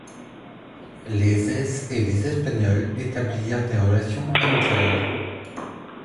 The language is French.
Les Ais et les Espagnols établirent des relations amicales.